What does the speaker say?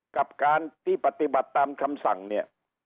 กับการที่ปฏิบัติตามคำสั่งเนี่ย